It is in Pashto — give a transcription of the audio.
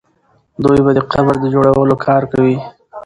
دوی به د قبر د جوړولو کار کوي.